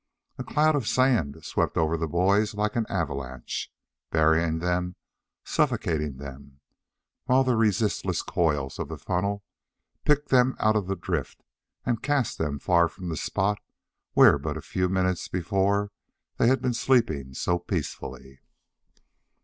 A cloud of sand swept over the boys like an avalanche, burying them, suffocating them, while the resistless coils of the funnel picked them out of the drift and cast them far from the spot where but a few minutes before they had been sleeping so peacefully.